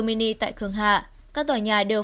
mini tại khương hạ các tòa nhà đều